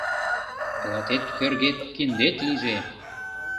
Клатет кӧргет киндет лийже.